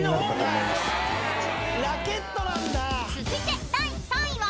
［続いて第３位は］